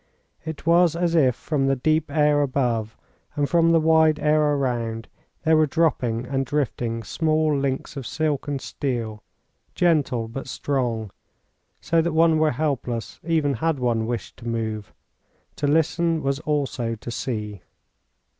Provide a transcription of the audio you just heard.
It was as if from the deep air above, and from the wide air around, there were dropping and drifting small links of silken steel, gentle but strong, so that one were helpless even had one wished to move. To listen was also to see.